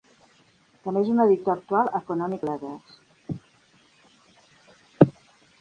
També és un editor actual a Economic Letters.